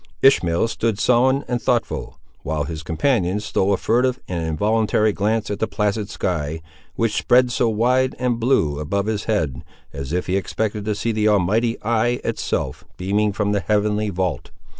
Ishmael stood sullen and thoughtful; while his companion stole a furtive and involuntary glance at the placid sky, which spread so wide and blue above his head, as if he expected to see the Almighty eye itself beaming from the heavenly vault.